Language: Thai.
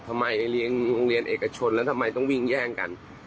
ทำไมเรียนเอกชนแล้วทำไมต้องวิ่งแย่งกัน